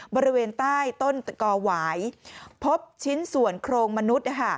บริเวณใต้ต้นตะกอหวายพบชิ้นส่วนโครงมนุษย์